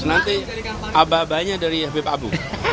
nanti abah abahnya dari habib abu